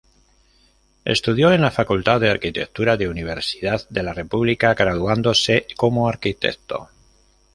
Estudió en la Facultad de Arquitectura de Universidad de la República, graduándose como arquitecto.